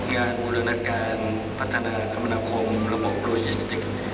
งานอุณหนักการพัฒนาคมนาคมระบบโลจิสติก